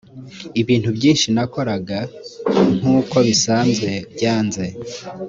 ibintu byinshi nakoraga nk uko bisanzwe byanze